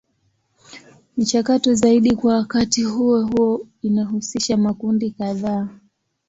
Michakato zaidi kwa wakati huo huo inahusisha makundi kadhaa.